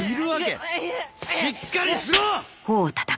しっかりしろ！